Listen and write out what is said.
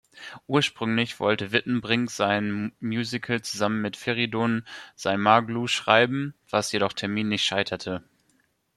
Ursprünglich wollte Wittenbrink sein Musical zusammen mit Feridun Zaimoglu schreiben, was jedoch terminlich scheiterte.